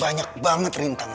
banyak banget rintangnya